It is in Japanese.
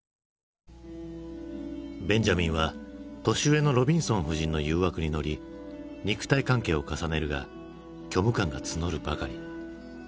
ベンジャミンは年上のロビンソン夫人の誘惑に乗り肉体関係を重ねるが虚無感が募るばかり。